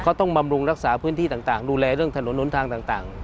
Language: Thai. เขาต้องบำรุงรักษาพื้นที่ต่างดูแลเรื่องถนนหนทางต่าง